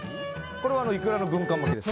これはイクラの軍艦巻きです。